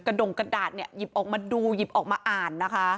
ดงกระดาษเนี่ยหยิบออกมาดูหยิบออกมาอ่านนะคะ